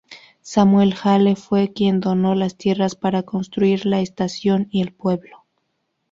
Samuel Hale fue quien donó las tierras para construir la estación y el pueblo.